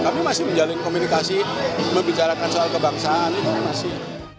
kami masih menjalin komunikasi membicarakan soal kebangsaan itu masih